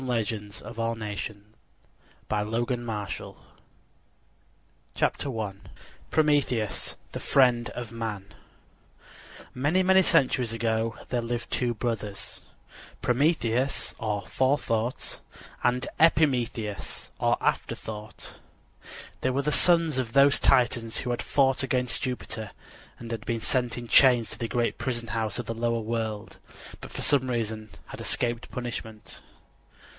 _ The Youthful Cid Avenging the Death of His Father 267 PROMETHEUS, THE FRIEND OF MAN Many, many centuries ago there lived two brothers, Prometheus or Forethought, and Epimetheus or Afterthought. They were the sons of those Titans who had fought against Jupiter and been sent in chains to the great prison house of the lower world, but for some reason had escaped punishment.